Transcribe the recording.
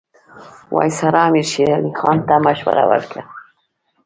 وایسرا امیر شېر علي خان ته مشوره ورکړه.